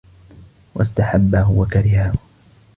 وَاسْتَحَبَّهُ وَكَرِهَهُ